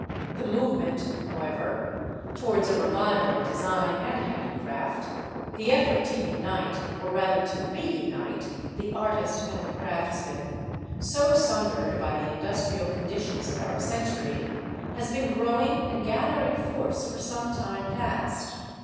The movement, however, towards a revival of design and handicraft, the effort to unite or rather to re unite the artist and the craftsman, so sundered by the industrial conditions of our century, has been growing and gathering force for some time past.